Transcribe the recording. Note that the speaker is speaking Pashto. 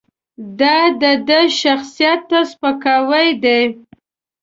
دا د ده شخصیت ته سپکاوی دی.